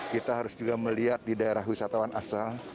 kita harus juga melihat di daerah wisatawan asal